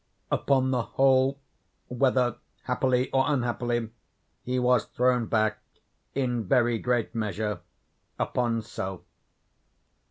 Upon the whole, whether happily or unhappily, he was thrown back, in very great measure, upon self.